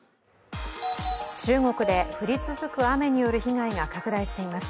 中国で降り続く雨による被害が拡大しています。